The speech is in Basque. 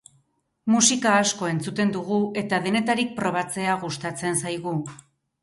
Musika asko entzuten dugu, eta denetarik probatzea gustatzen zaigu.